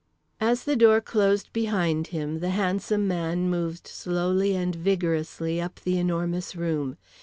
As the door closed behind him, the handsome man moved slowly and vigorously up The Enormous Room.